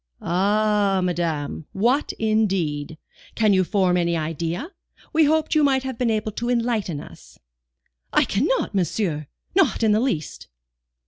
"Ah, madame, what indeed? Can you form any idea? We hoped you might have been able to enlighten us." "I cannot, monsieur, not in the least."